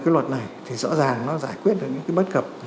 cái luật này thì rõ ràng nó giải quyết được những cái bất cập